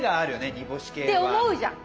煮干し系は。って思うじゃん。